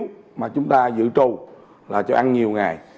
thì chúng ta phải luôn trụ trong ngang đá nhiều ngày